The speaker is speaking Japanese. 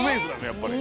やっぱり。